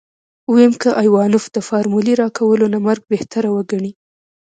ويم که ايوانوف د فارمولې راکولو نه مرګ بهتر وګڼي.